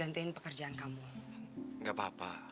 aduh abia ah